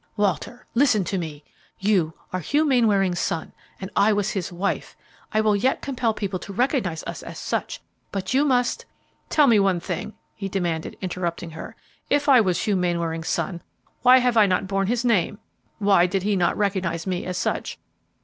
"Walter, listen to me. You are Hugh Mainwaring's son and I was his wife. I will yet compel people to recognize us as such; but you must " "Tell me one thing," he demanded, interrupting her. "If I was Hugh Mainwaring's son, why have I not borne his name? Why did he not recognize me as such?